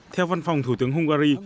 theo văn phòng thủ tướng hungary